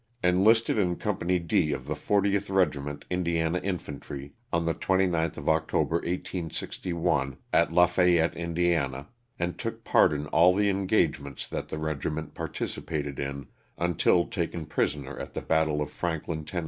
Enlisted in Company D of the 40th Regiment Indi ana Infantry, on the 29th of October, 1861, at LaFay ette, Ind., and took part in all the engagements that the regiment participated in until taken prisoner at the battle of Franklin, Term.